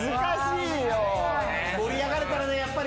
盛り上がるからねやっぱり。